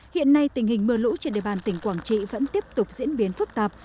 hiện nay tình hình mưa lũ trên địa bàn tỉnh quảng trị vẫn tiếp tục diễn biến phức tạp